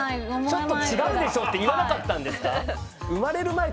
ちょっと違うでしょって言わなかったんですか？